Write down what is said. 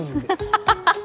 ハハハハ！